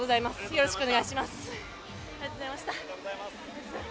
よろしくお願いします。